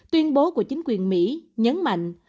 tuyên bố của chính quyền mỹ nhấn mạnh